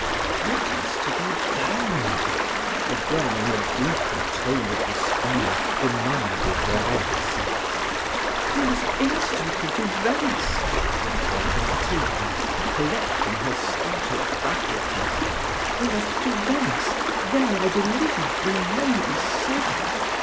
"What is to be done?" again, in a deeper tone of despair, demanded Verezzi. "We must instantly to Venice," returned Matilda, collecting her scattered faculties: "we must to Venice; there, I believe, we may be safe.